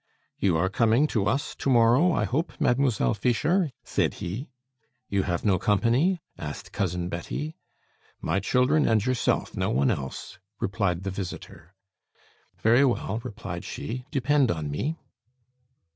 "You are coming to us to morrow, I hope, Mademoiselle Fischer?" said he. "You have no company?" asked Cousin Betty. "My children and yourself, no one else," replied the visitor. "Very well," replied she; "depend on me."